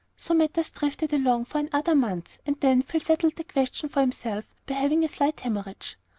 So matters drifted along for another month, and then Phil settled the question for himself by having a slight hemorrhage.